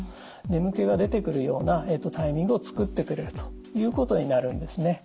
眠気が出てくるようなタイミングを作ってくれるということになるんですね。